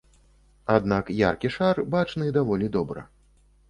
Аднак яркі шар бачны даволі добра.